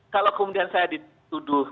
kalau kemudian saya dituduh